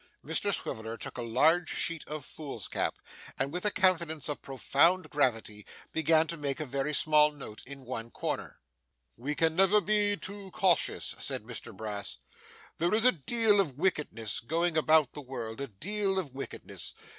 Mr Swiveller took a large sheet of foolscap, and with a countenance of profound gravity, began to make a very small note in one corner. 'We can never be too cautious,' said Mr Brass. 'There is a deal of wickedness going about the world, a deal of wickedness.